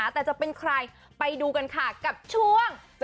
แต่จะเป็นใครไปดูกันค่ะกับช่วง